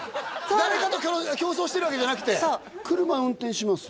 誰かと競走してるわけじゃなくてそう車運転します？